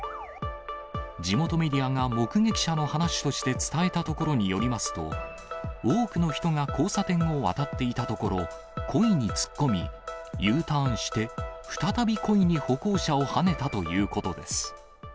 地元メディアが目撃者の話として伝えたところによりますと、多くの人が交差点を渡っていたところ、故意に突っ込み、Ｕターンして、再び故意に歩行者をはねたということです。